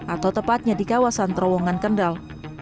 atau tepatnya di kawasan terowongan kendal